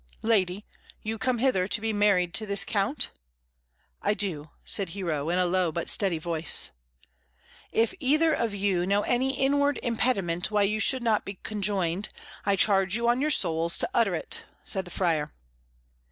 "Lady, you come hither to be married to this Count?" "I do," said Hero, in a low but steady voice. "If either of you know any inward impediment why you should not be conjoined, I charge you on your souls to utter it," said the Friar.